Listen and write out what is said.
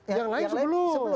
yang lain sebelum